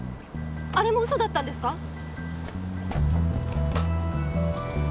あれも嘘だったんですか？